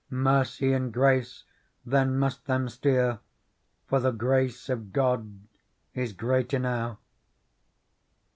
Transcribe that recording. Mercy and grace then must them steer. For the grace of God is great enow.